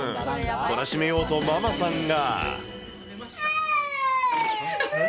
懲らしめようとママさんが。